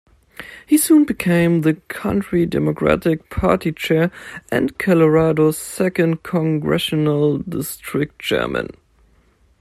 He soon became the county Democratic Party chair and Colorado's Second Congressional District Chairman.